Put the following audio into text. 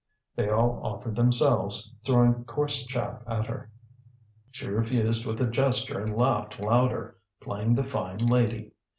They all offered themselves, throwing coarse chaff at her. She refused with a gesture and laughed louder, playing the fine lady.